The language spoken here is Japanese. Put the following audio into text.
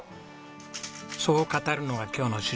そう語るのが今日の主人公。